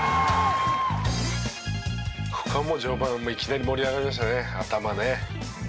「ここはもう序盤いきなり盛り上がりましたね頭ね」